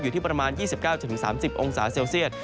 อยู่ที่ประมาณ๒๙๓๐องศาเซลเซียต